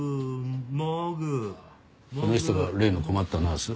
この人が例の困ったナース？